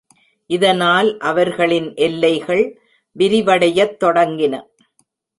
இதனால் அவர்களின் எல்லைகள் விரிவடையத் தொடங்கின.